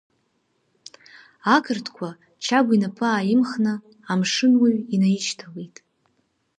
Ақырҭқәа, Чагә инапы ааимхны, амшынуаҩ инаишьҭалеит.